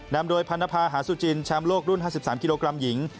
นำโดยพันธภาหาสุจินแชมป์โลกรุ่น๕๓กิโลกรัมหญิง